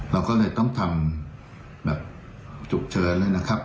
เราก็เลยต้องทำแบบฉุกเฉินเลยนะครับ